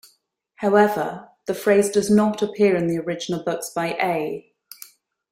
However, the phrase does not appear in the original books by A.